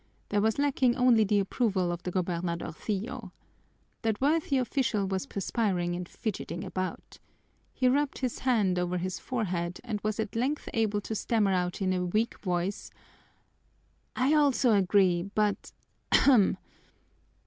There was lacking only the approval of the gobernadorcillo. That worthy official was perspiring and fidgeting about. He rubbed his hand over his forehead and was at length able to stammer out in a weak voice: "I also agree, but ahem!"